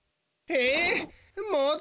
えっ